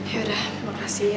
yaudah makasih ya